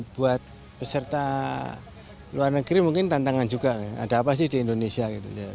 buat peserta luar negeri mungkin tantangan juga ada apa sih di indonesia gitu